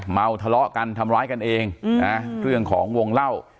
เมาทะเลาะกันทำร้ายกันเองนะเรื่องของวงเล่า